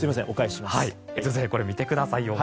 これを見てください。